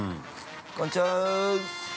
こんにちは。